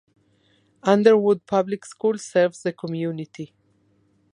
Underwood Public School serves the community.